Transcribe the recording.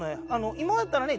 今までだったらね